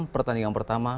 enam pertandingan pertama